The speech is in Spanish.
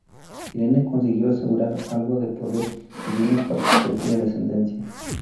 Irene consiguió asegurar algo de poder y bienes para su propia descendencia.